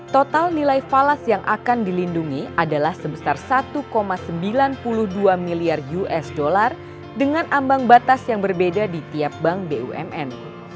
total nilai falas yang akan dilindungi adalah sebesar satu sembilan puluh dua miliar usd dengan ambang batas yang berbeda di tiap bank bumn